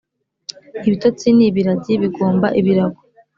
ibitotsi ni ibiragi, bigomba ibirago,